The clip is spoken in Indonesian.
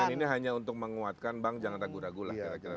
jaminan ini hanya untuk menguatkan bang jangan ragu ragu lah